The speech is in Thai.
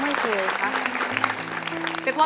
ไม่เคยครับ